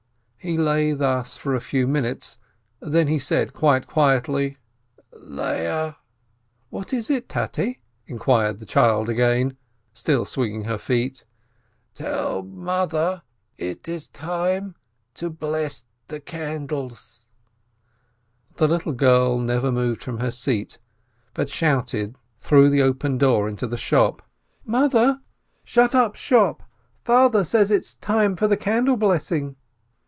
He lay thus for a few minutes, then he said quite quietly : "Leah!" "What is it, Tate?" inquired the child again, still swinging her feet. "Tell .. mother ... it is ... time to ... bless ... the candles ..." The little girl never moved from her seat, but shouted through the open door into the shop : "Mother, shut up shop! Father says it's time for candle blessing.